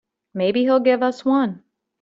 Maybe he'll give us one.